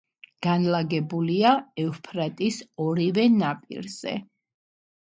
განლაგებულია ევფრატის ორივე სანაპიროზე.